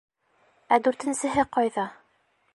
Ә дүртенсеһе ҡайҙа?